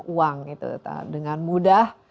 uang itu dengan mudah